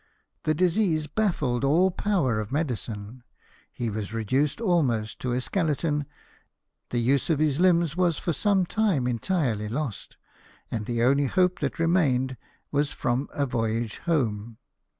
The disease baffled all power of medicine ; he was reduced almost to a skeleton ; the use of his limbs was for some time entirely lost ; and the only hope that remained was from a voyage home.